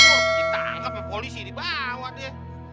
kita angkat sama polisi dibawa dia